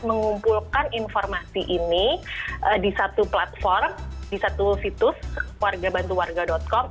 mengumpulkan informasi ini di satu platform di satu situs warga bantu warga com